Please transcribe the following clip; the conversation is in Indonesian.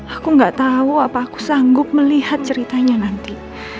aku gak tahu apa aku sanggup melihat ceritanya nanti